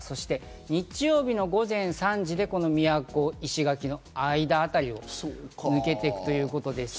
日曜日の午前３時で宮古、石垣の間あたりを抜けていくということです。